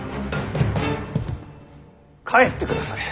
帰ってくだされ。